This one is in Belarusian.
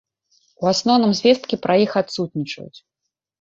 У асноўным звесткі пра іх адсутнічаюць.